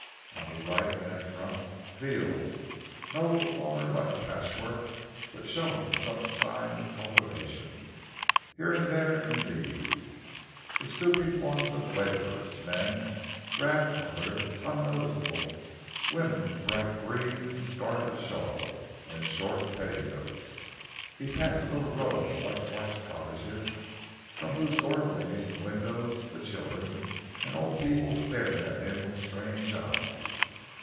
On the right and in front, fields, no longer like patchwork but showing some signs of cultivation; here and there, indeed, the stooping forms of labourers men, drab coloured, unnoticeable; women in bright green and scarlet shawls and short petticoats. He passed a little row of whitewashed cottages, from whose doorways and windows the children and old people stared at him with strange eyes.